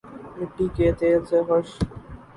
مٹی کے تیل سے خش